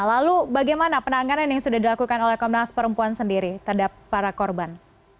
lalu bagaimana penanganan yang sudah dilakukan oleh komnas perempuan sendiri terhadap para korban